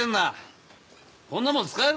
こんなもん使えるか！